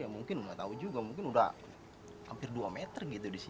ya mungkin nggak tahu juga mungkin udah hampir dua meter gitu di sini